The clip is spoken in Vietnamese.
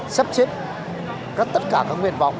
sắp xếp tất cả các nguyện vọng